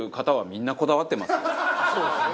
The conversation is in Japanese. そうですね。